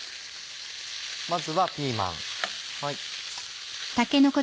まずはピーマン。